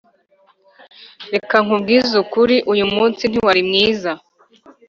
reka nkubwize ukuri uyu munsi ntiwari mwiza